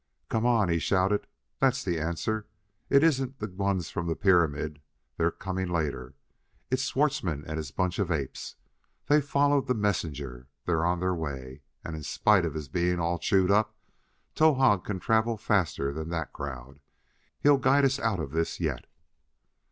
"Come on!" he shouted. "That's the answer. It isn't the ones from the pyramid; they're coming later. It's Schwartzmann and his bunch of apes. They've followed the messenger, they're on their way, and, in spite of his being all chewed up, Towahg can travel faster than that crowd. He'll guide us out of this yet!"